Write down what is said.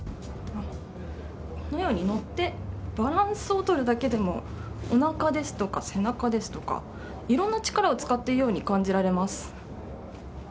このように乗ってバランスを取るだけでもおなかですとか背中ですとかいろんな力を使っているように感じられます。